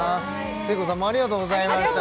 誠子さんもありがとうございました